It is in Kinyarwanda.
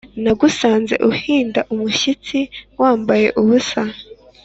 nagusanze - uhinda umushyitsi, wambaye ubusa.